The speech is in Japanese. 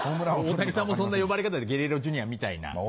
大谷さんもそんな呼ばれ方でゲレーロＪｒ．みたいな。